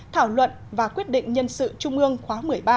thảo luận và quyết định nhân sự trung ương khóa một mươi ba